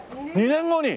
２年後に。